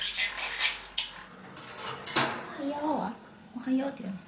「おはよう」は？